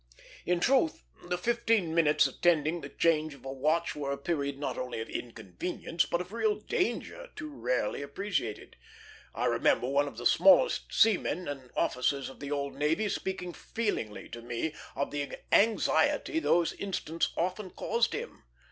In truth, the fifteen minutes attending the change of a watch were a period not only of inconvenience, but of real danger too rarely appreciated. I remember one of the smartest seamen and officers of the old navy speaking feelingly to me of the anxiety those instants often caused him.